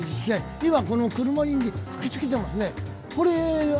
今、これ、車に吹きつけてますね。